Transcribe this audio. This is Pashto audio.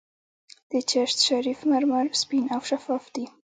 د چشت شریف مرمر سپین او شفاف دي.